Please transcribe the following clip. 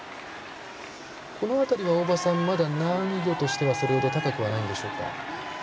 この辺りは、まだ難易度としてはそれほど高くはないんでしょうか。